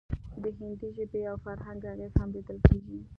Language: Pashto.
د هندي ژبې او فرهنګ اغیز هم لیدل کیږي